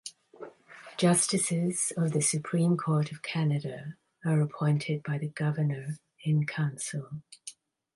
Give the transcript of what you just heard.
Justices of the Supreme Court of Canada are appointed by the Governor-in-Council.